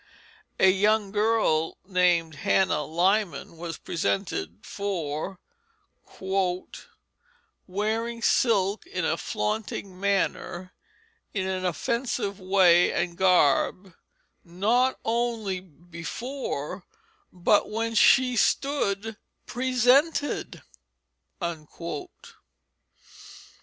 A young girl named Hannah Lyman was presented for "wearing silk in a fflaunting manner, in an offensive way and garb not only before but when she stood presented."